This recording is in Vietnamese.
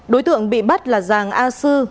đối tượng bị bắt là giàng a sư